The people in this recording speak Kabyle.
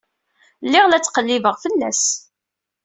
Lliɣ la ttqellibeɣ fell-as.